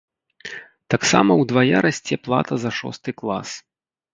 Таксама ўдвая расце плата за шосты клас.